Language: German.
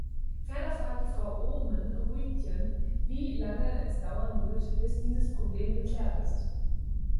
Ferner fragte Frau Oomen-Ruijten, wie lange es dauern wird, bis dieses Problem geklärt ist.